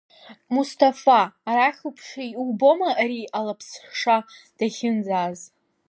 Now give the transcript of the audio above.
Мусҭафа, арахь уԥши, иубома ари алаԥсхша дахьынӡааз?